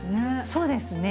そうですね。